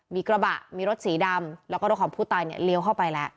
มีกระบะมีรถสีดำแล้วก็รถของผู้ตายเนี่ยเลี้ยวเข้าไปแล้ว